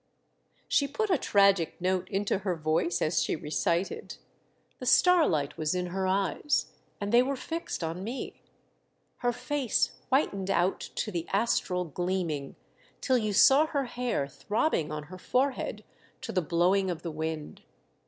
" She put a tragic note into her voice as she recited ; the starlight was in her eyes and they were fixed on me ; her face whitened 2o8 THE DEATH SHIP. out to the astral gleaming till you saw her hair throbbing on her forehead to the blow ing of the wind.